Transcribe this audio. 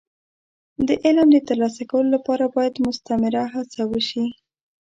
د علم د ترلاسه کولو لپاره باید مستمره هڅه وشي.